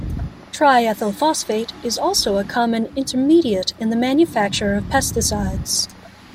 Triethyl phosphate is also a common intermediate in the manufacture of pesticides.